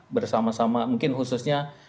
bersama sama mungkin khususnya